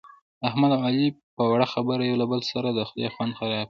احمد اوعلي په وړه خبره یو له بل سره د خولې خوند خراب کړ.